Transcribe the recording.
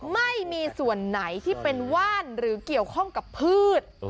ไม่มีส่วนไหนที่เป็นว่านหรือเกี่ยวข้องกับพืช